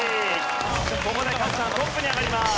ここでカズさんトップに上がります。